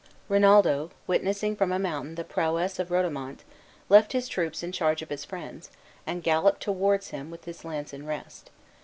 Rinaldo, witnessing from a mountain the prowess of Rodomont, left his troops in charge of his friends, and galloped towards him with his lance in rest.